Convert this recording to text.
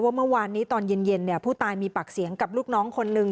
เมื่อวานนี้ตอนเย็นผู้ตายมีปากเสียงกับลูกน้องคนนึง